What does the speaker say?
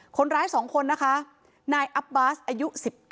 คนร้าย๒คนนะคะนายอับบาสอายุ๑๙